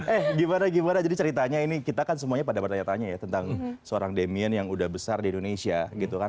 eh gimana gimana jadi ceritanya ini kita kan semuanya pada bertanya tanya ya tentang seorang damien yang udah besar di indonesia gitu kan